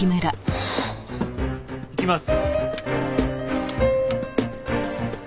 いきます。